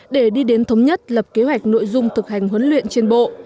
để đi đến thống nhất lập kế hoạch nội dung thực hành huấn luyện trên bộ